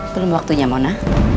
belum waktunya mona